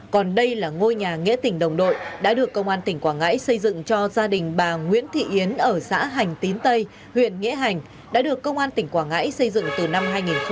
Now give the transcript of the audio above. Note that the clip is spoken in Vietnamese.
còn đây là ngôi nhà nghĩa tỉnh đồng đội đã được công an tỉnh quảng ngãi xây dựng cho gia đình bà nguyễn thị yến ở xã hành tín tây huyện nghĩa hành đã được công an tỉnh quảng ngãi xây dựng từ năm hai nghìn một mươi